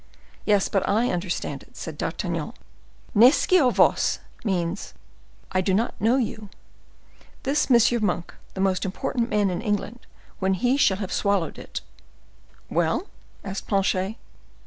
"Yes, but I understand it," said D'Artagnan. "'Nescio vos' means 'I do not know you.' This M. Monk, the most important man in England, when he shall have swallowed it—" "Well?" asked Planchet.